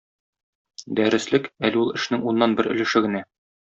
Дәреслек - әле ул эшнең уннан бер өлеше генә.